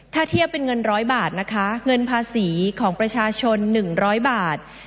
ถ้าเทียบเป็นเงิน๑๐๐บาทนะคะเงินภาษีของประชาชน๑๐๐บาท